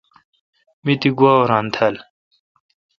می تی گوا اُوران تھال۔